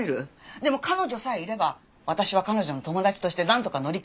でも彼女さえいれば私は彼女の友達としてなんとか乗り切れる。